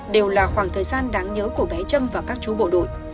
đều là khoảng thời gian đáng nhớ của bé trâm và các chú bộ đội